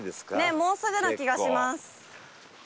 もうすぐな気がします。